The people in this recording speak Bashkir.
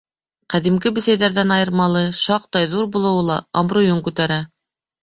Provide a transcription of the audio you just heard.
Ҡәҙимге бесәйҙәрҙән айырмалы шаҡтай ҙур булыуы ла абруйын күтәрә.